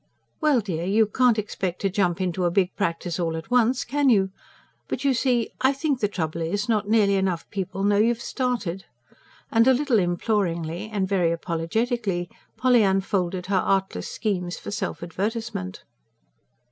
"Well, dear, you can't expect to jump into a big practice all at once, can you? But you see, I think the trouble is, not nearly enough people know you've started." And a little imploringly, and very apologetically, Polly unfolded her artless schemes for self advertisement.